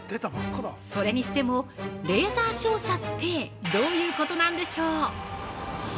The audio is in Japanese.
それにしてもレーザー照射ってどういうことなんでしょう？